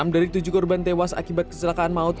enam dari tujuh korban tewas akibat kecelakaan maut